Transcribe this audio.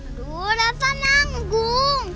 aduh rafa nanggung